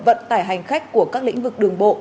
vận tải hành khách của các lĩnh vực đường bộ